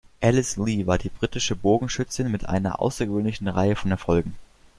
Alice Legh war die britische Bogenschützin mit einer außergewöhnlichen Reihe von Erfolgen.